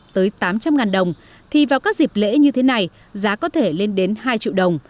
tới tám trăm linh đồng thì vào các dịp lễ như thế này giá có thể lên đến hai triệu đồng